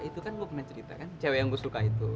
itu kan gue pernah cerita kan cewek yang gus duka itu